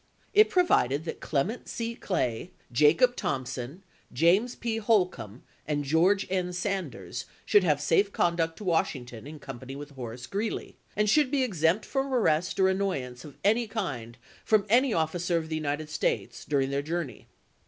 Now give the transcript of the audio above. It provided that Clement C. Clay, Jacob Thompson, James P. Holcombe, and George N. Sanders should have safe conduct to Washington in company with Horace Greeley, and should be exempt from arrest or annoyance of any kind from any officer of the United States during their journey.